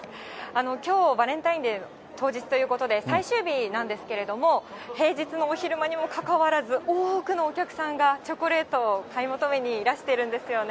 きょう、バレンタインデー当日ということで、最終日なんですけれども、平日のお昼間にもかかわらず、多くのお客さんがチョコレートを買い求めにいらしてるんですよね。